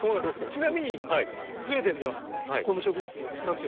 ちなみにスウェーデンではこの植物何て呼んでるんですか？